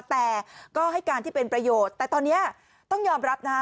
แต่ก็ให้การที่เป็นประโยชน์แต่ตอนนี้ต้องยอมรับนะฮะ